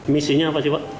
misinya apa sih pak